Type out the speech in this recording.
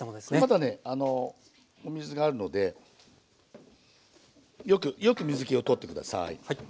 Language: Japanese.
まだねお水があるのでよくよく水けを取って下さい。